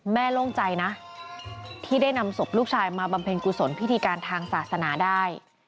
โล่งใจนะที่ได้นำศพลูกชายมาบำเพ็ญกุศลพิธีการทางศาสนาได้